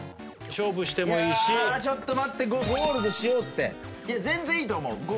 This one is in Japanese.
勝負してもいいしいやちょっと待ってゴールドしようっていや全然いいと思う